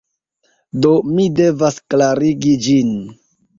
Do, mi devas klarigi ĝin.